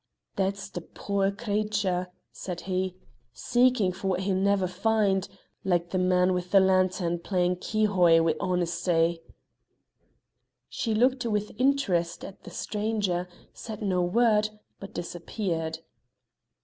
"That's the puir cratur," said he; "seekin' for whit he'll never find, like the man with the lantern playin' ki hoi wi' honesty." She looked with interest at the stranger, said no word, but disappeared.